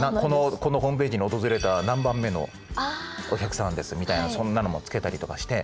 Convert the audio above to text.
「このホームページに訪れた何番目のお客さんです」みたいなそんなのもつけたりとかして。